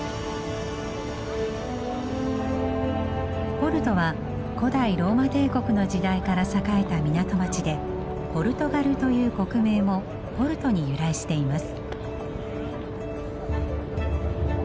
ポルトは古代ローマ帝国の時代から栄えた港町でポルトガルという国名もポルトに由来しています。